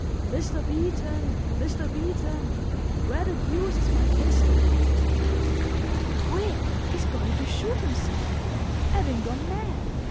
"Mr. Beeton! Mr. Beeton! Where the deuce is my pistol?" "Quick, he's going to shoot himself—'avin' gone mad!"